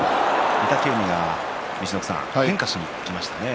御嶽海が陸奥さん変化してきましたね。